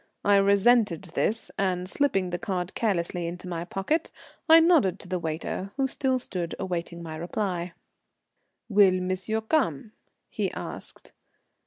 I resented this, and slipping the card carelessly in my pocket, I nodded to the waiter, who still stood awaiting my reply. "Will monsieur come?" he asked.